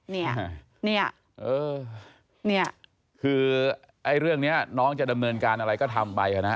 เนี่ยเนี่ยเออเนี่ยคือไอ้เรื่องนี้น้องจะดำเนินการอะไรก็ทำไปนะฮะ